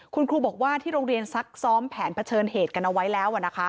คุณครูบอกว่าที่โรงเรียนซักซ้อมแผนเผชิญเหตุกันเอาไว้แล้ว